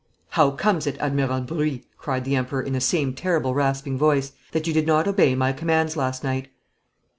'How comes it, Admiral Bruix,' cried the Emperor, in the same terrible rasping voice, 'that you did not obey my commands last night?'